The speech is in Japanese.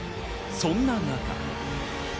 そんな中。